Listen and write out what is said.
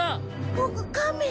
ボクカメ。